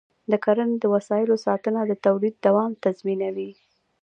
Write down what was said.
د کرنې د وسایلو ساتنه د تولید دوام تضمینوي.